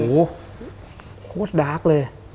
โหโคตรดาร์กเลย